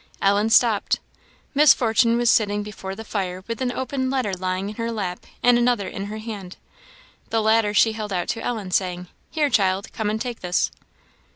Ellen stopped. Miss Fortune was sitting before the fire with an open letter lying in her lap, and another in her hand. The latter she held out to Ellen, saying, "Here, child, come and take this."